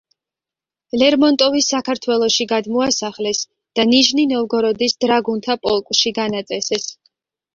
ლერმონტოვი საქართველოში გადმოასახლეს და ნიჟნი-ნოვგოროდის დრაგუნთა პოლკში განაწესეს.